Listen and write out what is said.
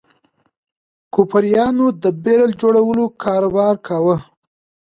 کوپریانو د بیرل جوړولو کاروبار کاوه.